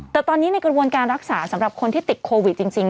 แต่ตอนนี้ในกระบวนการรักษาสำหรับคนที่ติดโควิดจริง